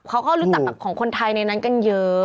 เขาก็รู้จักแบบของคนไทยในนั้นกันเยอะ